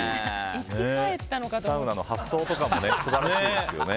サウナの発想とかも素晴らしいですよね。